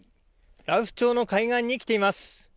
ラオス町の海岸に来ています。